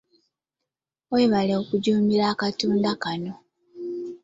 Weebale okujjumbira akatundu kano.